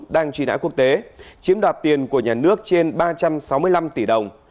đang truy nã quốc tế chiếm đoạt tiền của nhà nước trên ba trăm sáu mươi năm tỷ đồng